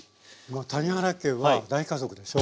谷原家は大家族でしょ。